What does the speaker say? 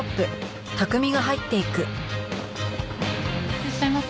いらっしゃいませ。